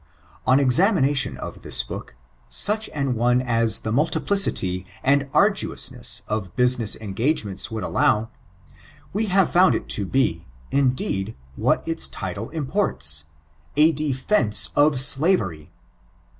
On exanrfnatifm of thia book^ •och an one aa the multiplicity and ardnooaneaa of buaineaa esgagementa woold allow — ^we have (bund it to be, indeed, what ita tide importa, a Defence of Slavery.